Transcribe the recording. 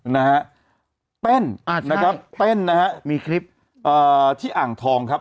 แต้นที่อ่างทองนะครับ